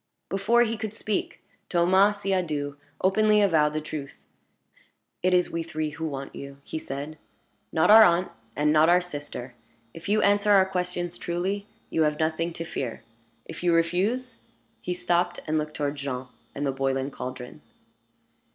Before he could speak, Thomas Siadoux openly avowed the truth. "It is we three who want you," he said; "not our aunt, and not our sister. If you answer our questions truly, you have nothing to fear. If you refuse " He stopped, and looked toward Jean and the boiling caldron.